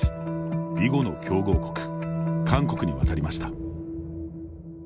囲碁の強豪国韓国に渡りました。